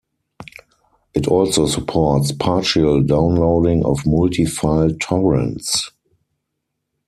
It also supports partial downloading of multi-file torrents.